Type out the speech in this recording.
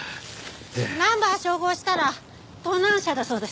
ナンバー照合したら盗難車だそうです。